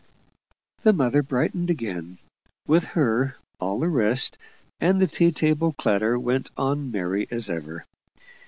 The mother brightened again; with her all the rest; and the tea table clatter went on merry as ever.